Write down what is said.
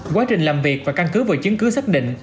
quá trình làm việc và căn cứ vào chứng cứ xác định